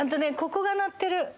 ここが鳴ってる。